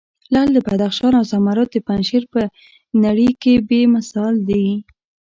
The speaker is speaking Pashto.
لعل د بدخشان او زمرود د پنجشیر په نړې کې بې مثال دي.